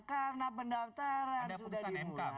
karena pendaftaran sudah dimulai